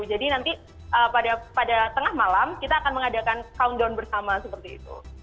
jadi nanti pada tengah malam kita akan mengadakan countdown bersama seperti itu